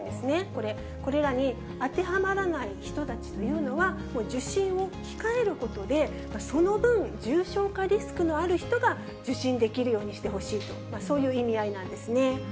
これ、これらに当てはまらない人たちというのは、受診を控えることで、その分、重症化リスクのある人が受診できるようにしてほしいと、そういう意味合いなんですね。